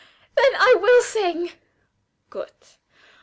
then I will sing." "Good!